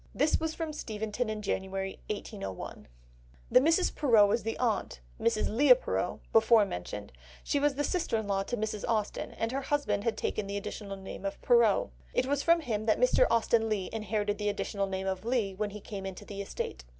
This was from Steventon in January 1801. The Mrs. Perrot is the aunt, Mrs. Leigh Perrot, before mentioned, she was sister in law to Mrs. Austen, and her husband had taken the additional name of Perrot. It was from him that Mr. Austen Leigh inherited the additional name of Leigh when he came into the estate.